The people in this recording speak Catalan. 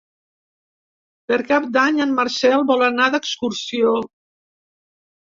Per Cap d'Any en Marcel vol anar d'excursió.